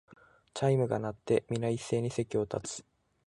チャイムが鳴って、みな一斉に席を立つ